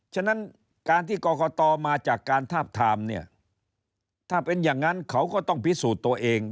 ฉะนั้นการที่กรกตมาจากการทาบทามเนี่ยถ้าเป็นอย่างนั้นเขาก็ต้องพิสูจน์ตัวเอง